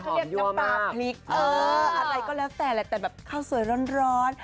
หรือบางบ้านเขาเรียกน้ำปลาพริกอะไรก็แล้วแต่แต่แบบข้าวสวยร้อน